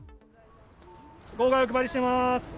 号外お配りしています。